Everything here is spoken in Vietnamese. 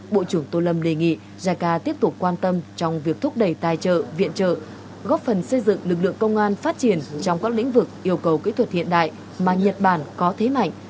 bộ trưởng tô lâm đề nghị jica tiếp tục quan tâm trong việc thúc đẩy tài trợ viện trợ góp phần xây dựng lực lượng công an phát triển trong các lĩnh vực yêu cầu kỹ thuật hiện đại mà nhật bản có thế mạnh